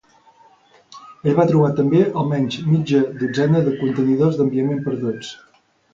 Ella va trobar també almenys mitja dotzena de contenidors d'enviament perduts.